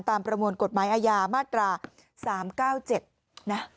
ประมวลกฎหมายอาญามาตรา๓๙๗นะ